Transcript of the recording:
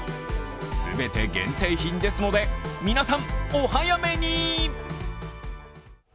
全て限定品ですので、皆さん、お早めに！